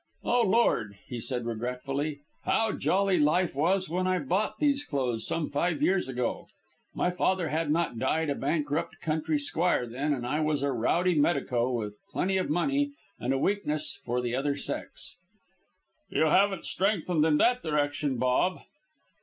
"O Lord!" he said regretfully, "how jolly life was when I bought these clothes some five years ago! My father had not died a bankrupt country squire then; and I was a rowdy medico, with plenty of money, and a weakness for the other sex." "You haven't strengthened in that direction, Bob."